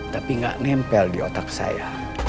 tapi nggak nempel di otak saya